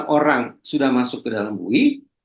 delapan orang sudah masuk ke dalam bui